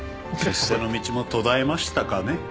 出世の道も途絶えましたかね。